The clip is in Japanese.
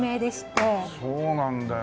そうなんだよ。